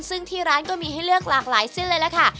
ซึ่งที่ร้านก็มีให้เลือกหลากหลายเส้นเลยล่ะค่ะ